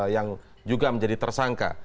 yang juga menjadi tersangka